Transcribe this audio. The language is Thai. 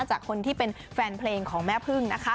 จากคนที่เป็นแฟนเพลงของแม่พึ่งนะคะ